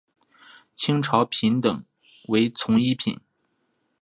清朝品等为从一品。